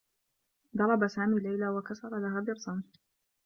ضرب سامي ليلى و كسّر لها ضرسا.